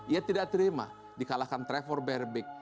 ia tidak terima dikalahkan trevor berbik